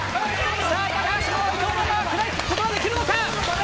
さあ、高橋ママ、伊藤ママ食らいつくことはできるのか。